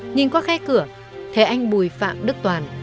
nhìn qua khai cửa thế anh bùi phạm đức toàn